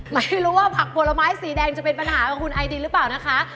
ไม่รู้ว่าผักผลไม้สีแดงจะเป็นปัญหากับคุณไอดินหรือเปล่านะคะ